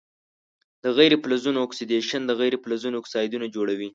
د غیر فلزونو اکسیدیشن د غیر فلزونو اکسایدونه جوړوي.